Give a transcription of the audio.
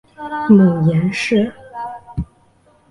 母颜氏。